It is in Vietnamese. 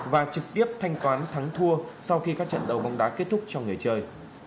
và trực tiếp thanh toán thắng thua sau khi các trận đấu bóng đá kết thúc cho người chơi